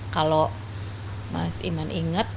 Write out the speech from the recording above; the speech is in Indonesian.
kalau mas iman ingat